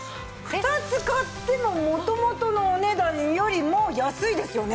２つ買っても元々のお値段よりも安いですよね？